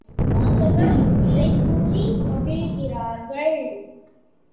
வாசகர் விடை கூறி மகிழ்கிறார்கள்.